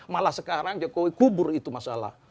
malah sekarang jokowi kubur itu masalah